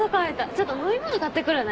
ちょっと飲み物買ってくるね。